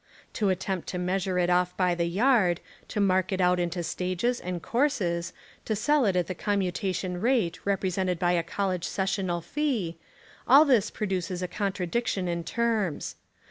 To at tempt to measure it off by the yard, to mark it out into stages and courses, to sell it at the commutation rate represented by a college sessional fee — all this produces a contradiction in terms.